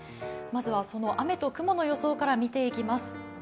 まずは、その雨と雲の予想から見ていきます。